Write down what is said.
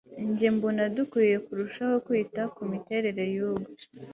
njye mbona, dukwiye kurushaho kwita kumiterere yubu